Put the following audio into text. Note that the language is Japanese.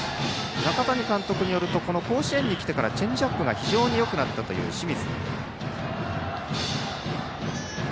中谷監督によると甲子園に来てからチェンジアップが非常によくなったという清水。